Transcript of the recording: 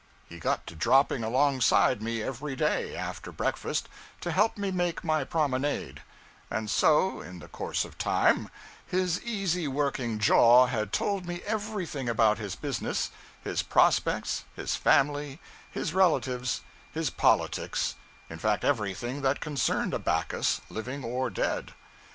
He got to dropping alongside me every day, after breakfast, to help me make my promenade; and so, in the course of time, his easy working jaw had told me everything about his business, his prospects, his family, his relatives, his politics in fact everything that concerned a Backus, living or dead.